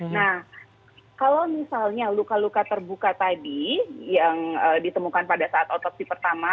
nah kalau misalnya luka luka terbuka tadi yang ditemukan pada saat otopsi pertama